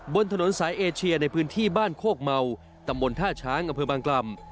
บนถนนสายเอเชียในพื้นที่บ้านโคกเมาตำบลท่าช้างอำเภอบางกล่ำ